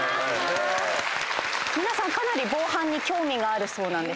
皆さんかなり防犯に興味があるそうなんです。